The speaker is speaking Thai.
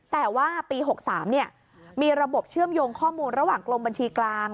แต่ว่าปี๖๓มีระบบเชื่อมโยงข้อมูลระหว่างกรมบัญชีกลาง